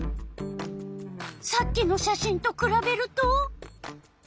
さっきの写真とくらべると？